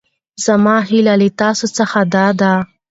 زما هېله له تاسو څخه دا ده.